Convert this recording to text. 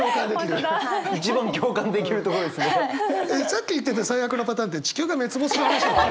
さっき言ってた最悪のパターンって地球が滅亡する話でしたっけ？